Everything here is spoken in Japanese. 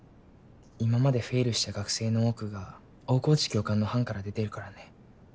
今までフェイルした学生の多くが大河内教官の班から出ているからね。